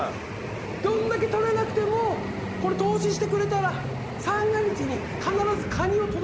どんだけとれなくてもこれ投資してくれたら三が日に必ずカニを届けます。